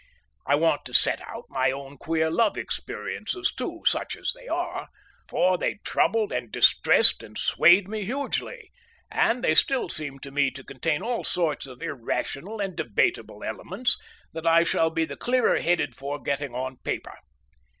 I want to set out my own queer love experiences too, such as they are, for they troubled and distressed and swayed me hugely, and they still seem to me to contain all sorts of irrational and debatable elements that I shall be the clearer headed for getting on paper.